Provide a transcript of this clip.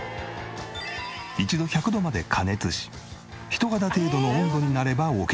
一度１００度まで加熱し人肌程度の温度になればオーケー。